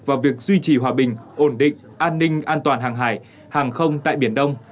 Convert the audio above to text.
vào việc duy trì hòa bình ổn định an ninh an toàn hàng hải hàng không tại biển đông